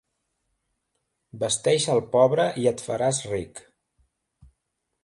Vesteix al pobre i et faràs ric.